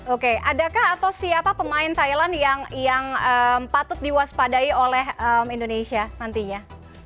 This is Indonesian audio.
oke adakah atau siapa pemain thailand yang patut diwaspadai oleh indonesia nantinya